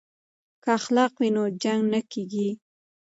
که اخلاق وي نو جنګ نه کیږي.